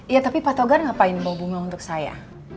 ya tapi pak togar ngapain bau bunga untuk saya